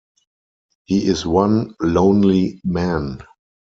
He is one lonely man.